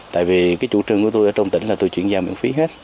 tại vì cái chủ trương của tôi ở trong tỉnh là tôi chuyển giao miễn phí hết